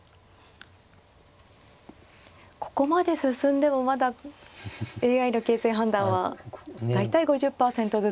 ここまで進んでもまだＡＩの形勢判断は大体５０％ずつと。